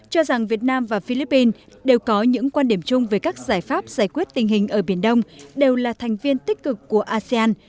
cho rằng việt nam và philippines đều có những quan điểm chung về các giải pháp giải quyết tình hình ở biển đông đều là thành viên tích cực của asean